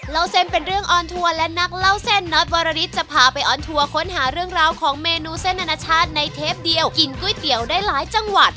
เล่าเส้นเป็นเรื่องออนทัวร์และนักเล่าเส้นน็อตวรริสจะพาไปออนทัวร์ค้นหาเรื่องราวของเมนูเส้นอนาชาติในเทปเดียวกินก๋วยเตี๋ยวได้หลายจังหวัด